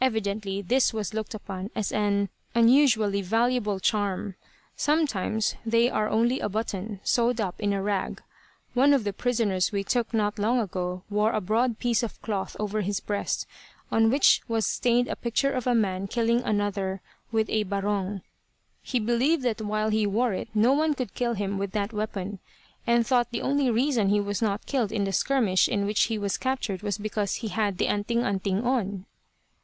Evidently this was looked upon as an unusually valuable charm. Sometimes they are only a button, sewed up in a rag. One of the prisoners we took not long ago wore a broad piece of cloth over his breast, on which was stained a picture of a man killing another with a 'barong.' He believed that while he wore it no one could kill him with that weapon; and thought the only reason he was not killed in the skirmish in which he was captured was because he had the 'anting anting' on."